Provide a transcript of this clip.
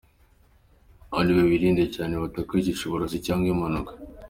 Anne we wirinde cyane batakwicisha uburozi cyangwa impanuka